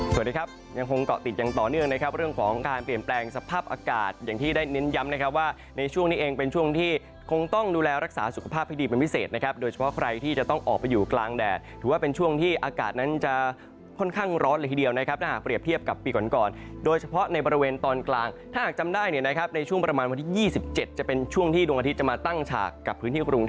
สวัสดีครับยังคงเกาะติดอย่างต่อเนื่องนะครับเรื่องของการเปลี่ยนแปลงสภาพอากาศอย่างที่ได้เน้นย้ำนะครับว่าในช่วงนี้เองเป็นช่วงที่คงต้องดูแลรักษาสุขภาพให้ดีเป็นพิเศษนะครับโดยเฉพาะใครที่จะต้องออกไปอยู่กลางแดดถือว่าเป็นช่วงที่อากาศนั้นจะค่อนข้างร้อนเลยทีเดียวนะครับถ้าหากเปรียบเที